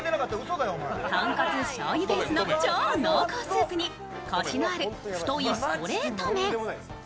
豚骨しょうゆベースの超濃厚スープにコシのある太いストレート麺。